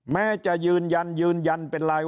แม้จะยืนยันยืนยันเป็นรายวัน